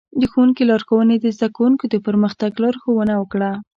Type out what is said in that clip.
د ښوونکي لارښوونې د زده کوونکو د پرمختګ لارښوونه وکړه.